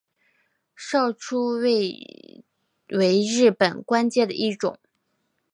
少初位为日本官阶的一种。